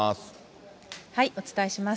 お伝えします。